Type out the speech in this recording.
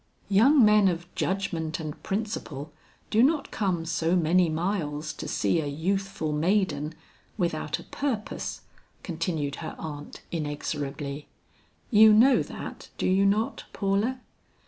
"Young men of judgment and principle do not come so many miles to see a youthful maiden, without a purpose," continued her aunt inexorably. "You know that, do you not, Paula?"